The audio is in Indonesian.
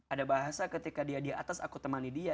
ada bahasa ketika dia di atas aku temani dia